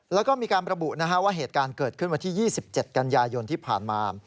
แล้วก็มีการระบุว่าเหตุการณ์เกิดขึ้นวันที่๒๗กันยายนที่ผ่านมา